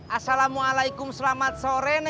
assalamualaikum selamat sorenya